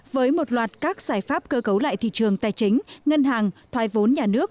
với một loạt các giải pháp cơ cấu lại thị trường tài chính ngân hàng thoai vốn nhà nước